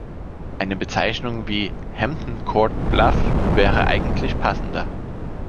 Eine Bezeichnung wie Hampton-Court-Bluff wäre eigentlich passender.